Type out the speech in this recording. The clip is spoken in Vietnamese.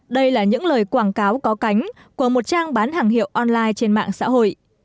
đây là những lời quảng cáo có cánh của một trang bán hàng hiệu online trên mạng xã hội